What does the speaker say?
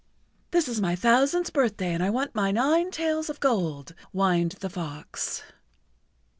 "This is my thousandth birthday, and I want my nine tails of gold," whined the fox.